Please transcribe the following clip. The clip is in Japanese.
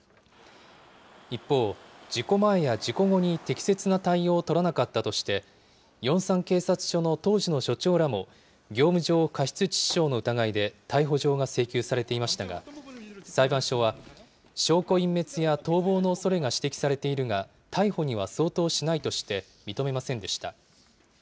一方、事故前や事故後に適切な対応を取らなかったとして、ヨンサン警察署の当時の署長らも、業務上過失致死傷の疑いで逮捕状が請求されていましたが、裁判所は、証拠隠滅や逃亡のおそれが指摘されているが、逮捕には相当しないとして認めませんでした。